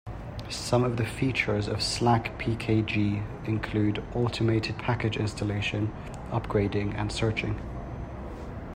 Some of the features of slackpkg include automated package installation, upgrading and searching.